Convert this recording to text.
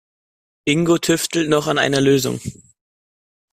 Ingo tüftelt noch an einer Lösung.